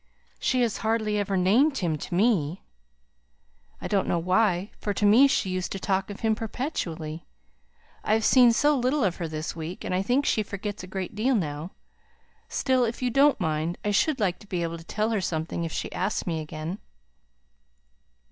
"She has hardly ever named him to me." "I don't know why; for to me she used to talk of him perpetually. I have seen so little of her this week, and I think she forgets a great deal now. Still, if you don't mind, I should like to be able to tell her something if she asks me again."